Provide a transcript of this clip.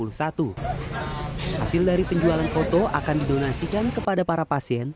hasil dari penjualan foto akan didonasikan kepada para pasien